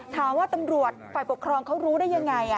ตำรวจฝ่ายปกครองเขารู้ได้ยังไง